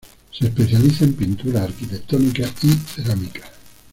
Se especializa en pinturas arquitectónicas y cerámicas.